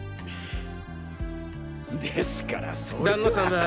ですからそれは。